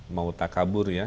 mau takabur ya